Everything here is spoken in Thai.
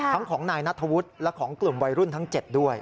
ของนายนัทธวุฒิและของกลุ่มวัยรุ่นทั้ง๗ด้วย